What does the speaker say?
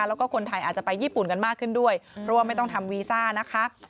แล้วก็คนไทยอาจจะไปญี่ปุ่นกันมากขึ้นด้วยเพราะว่าไม่ต้องทำวีซ่านะคะ